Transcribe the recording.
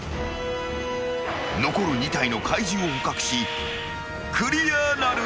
［残る２体の怪獣を捕獲しクリアなるか？］